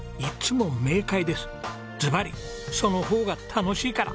ずばり「その方が楽しいから」。